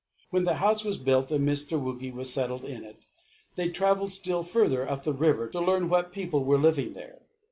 When the house was built and Mr. Wookey was settled in it, they travelled still further up the river to learn what people were living there.